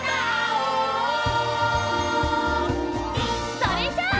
それじゃあ！